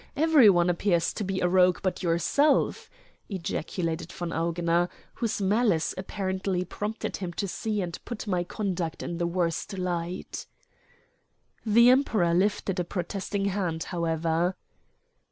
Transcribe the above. Every one appears to be a rogue but yourself," ejaculated von Augener, whose malice apparently prompted him to see and put my conduct in the worst light. The Emperor lifted a protesting hand, however.